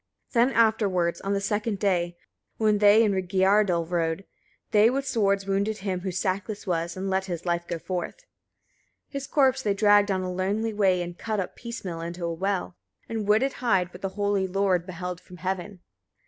22. Then afterwards, on the second day, when they in Rygiardal rode, they with swords wounded him who sackless was, and let his life go forth. 23. His corpse they dragged (on a lonely way, and cut up piecemeal) into a well, and would it hide; but the holy Lord beheld from heaven.